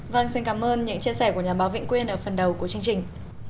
vâng xin cảm ơn những chia sẻ của nhà báo vĩnh quyên ở phần đầu của chương trình